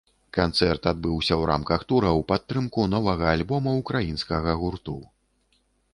Канцэрт адбыўся ў рамках тура ў падтрымку новага альбома ўкраінскага гурту.